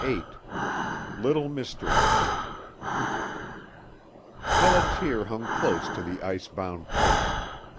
VIII LITTLE MYSTERY Pelliter hung close to the ice bound coast.